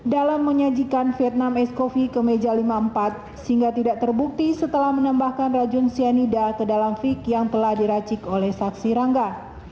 dalam menyajikan vietnam ice coffee ke meja lima puluh empat sehingga tidak terbukti setelah menambahkan racun cyanida ke dalam fik yang telah diracik oleh saksi rangga